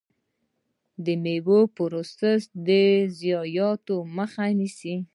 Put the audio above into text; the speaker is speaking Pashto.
د میوو پروسس د ضایعاتو مخه نیسي.